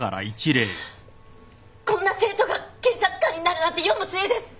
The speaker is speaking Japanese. こんな生徒が警察官になるなんて世も末です。